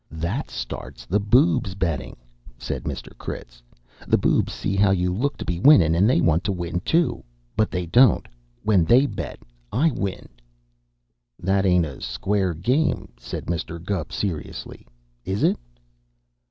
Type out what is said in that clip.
"That starts the boobs bettin'," said Mr. Critz. "The boobs see how you look to be winnin', and they want to win too. But they don't. When they bet, I win." "That ain't a square game," said Mr. Gubb seriously, "is it?"